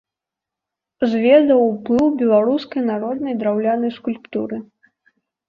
Зведаў уплыў беларускай народнай драўлянай скульптуры.